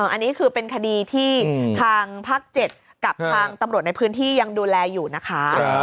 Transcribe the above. อันนี้คือเป็นคดีที่ทางภาค๗กับทางตำรวจในพื้นที่ยังดูแลอยู่นะคะ